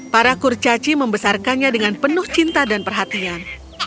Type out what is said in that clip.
para kurcaci membesarkannya dengan penuh cinta dan perhatian